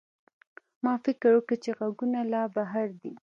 ما فکر وکړ چې غږونه له بهر دي.